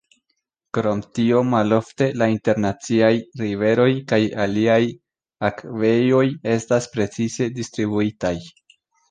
Krom tio malofte la internaciaj riveroj kaj aliaj akvejoj estas precize distribuitaj.